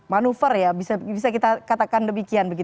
manuver ya bisa kita katakan demikian